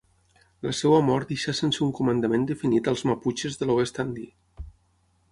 La seva mort deixà sense un comandament definit als maputxes de l'oest andí.